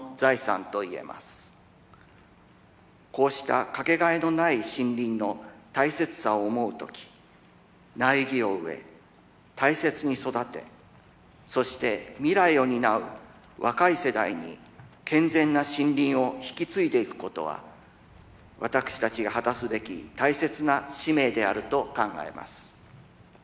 こうした掛けがえのない森林の大切さを思うとき苗木を植え大切に育てそして未来を担う若い世代に健全な森林を引き継いでいくことは私たちが果たすべき大切な使命であると考えます。